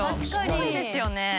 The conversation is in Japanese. すごいですよね。